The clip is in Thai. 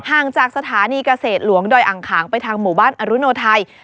ห่างจากสถานีเกษตรหลวงดอยอังขางไปทางหมู่บ้านอรุโนไทย